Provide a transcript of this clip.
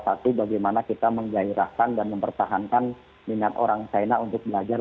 satu bagaimana kita menggairahkan dan mempertahankan minat orang china untuk belajar